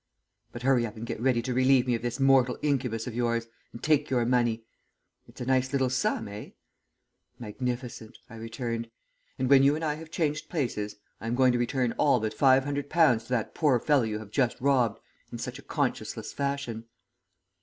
But hurry up and get ready to relieve me of this mortal incubus of yours, and take your money it's a nice little sum, eh?' "'Magnificent,' I returned. 'And when you and I have changed places I am going to return all but five hundred pounds to that poor fellow you have just robbed in such a conscienceless fashion.'